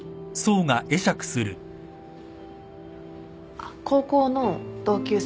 あっ高校の同級生。